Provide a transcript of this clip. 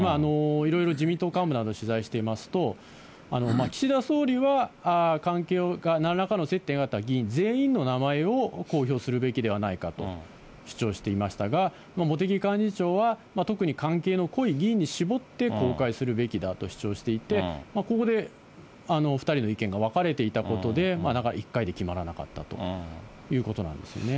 いろいろ自民党幹部など取材してますと、岸田総理は関係がなんらかの接点があった議員全員の名前を公表するべきではないかと主張していましたが、茂木幹事長は特に関係の濃い議員に絞って、公開するべきだと主張していて、ここで２人の意見が分かれていたことで、なかなか１回で決まらなかったということなんですね。